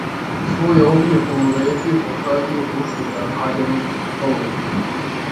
粗疣壁虎为壁虎科壁虎属的爬行动物。